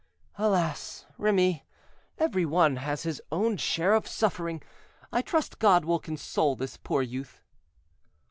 "Alas! Remy, every one has his own share of suffering. I trust God will console this poor youth."